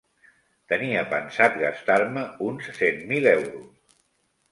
Tenia pensat gastar-me uns cent mil euros.